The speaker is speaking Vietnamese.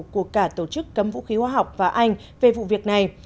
của cả tổ chức cấm vũ khí hóa học và anh về vụ việc này